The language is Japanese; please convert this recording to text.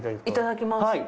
いただきます。